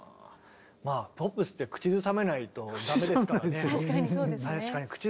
まあポップスって口ずさめないとダメですからね。